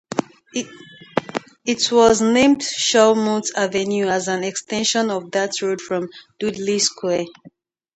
It was named Shawmut Avenue, as an extension of that road from Dudley Square.